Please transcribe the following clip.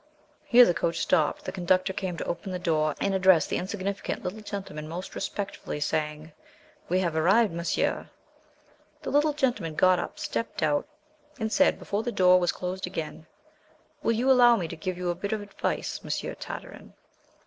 Here the coach stopped. The conductor came to open the door, and addressed the insignificant little gentleman most respectfully, saying: "We have arrived, Monsieur." The little gentleman got up, stepped out, and said, before the door was closed again: "Will you allow me to give you a bit of advice, Monsieur Tartarin?"